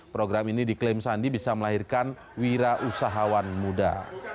program ini diklaim sandi bisa melahirkan wira usahawan muda